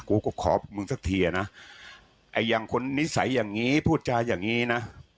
กูก็ขอมึงสักทีอ่ะนะไอ้อย่างคนนิสัยอย่างนี้พูดจาอย่างนี้นะ